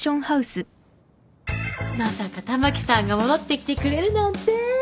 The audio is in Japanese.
まさかたまきさんが戻ってきてくれるなんて。